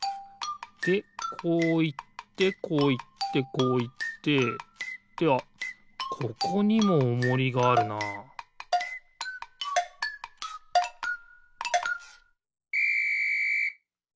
でこういってこういってこういってってあっここにもおもりがあるなピッ！